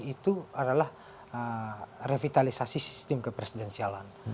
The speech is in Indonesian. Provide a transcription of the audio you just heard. itu adalah revitalisasi sistem kepresidensialan